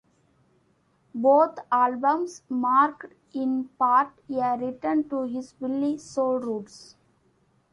Both albums marked, in part, a return to his Philly soul roots.